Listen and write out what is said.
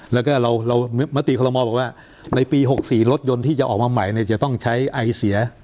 แล้วก็เรามติคอลโมบอกว่าในปี๖๔รถยนต์ที่จะออกมาใหม่จะต้องใช้ไอเสีย